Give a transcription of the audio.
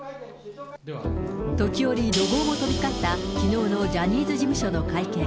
時折、怒号も飛び交ったきのうのジャニーズ事務所の会見。